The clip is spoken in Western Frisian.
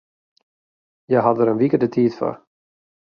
Hja hawwe dêr in wike de tiid foar.